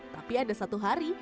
tapi ada satu hari